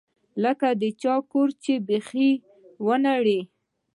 لکه د چا کور چې له بيخه ونړوې.